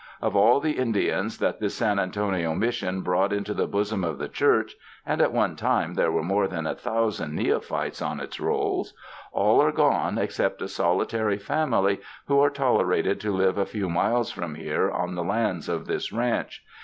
Of all the Indi ans that this San Antonio Mission brought into the bosom of the Church — and at one time, there were more than a thousand neophytes on its rolls — all are gone except a solitary family who are tolerated to live a few miles from here on the lands of this ranch.